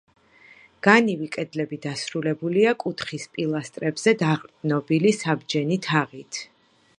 განივი კედლები დასრულებულია კუთხის პილასტრებზე დაყრდნობილი საბჯენი თაღით.